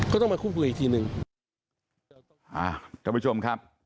กระบุชมครับ